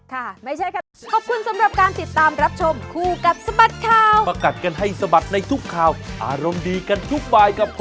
ค่ะไม่ใช่ครับ